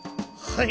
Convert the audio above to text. はい。